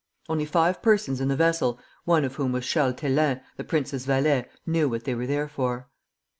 Only five persons in the vessel (one of whom was Charles Thélin, the prince's valet) knew what they were there for.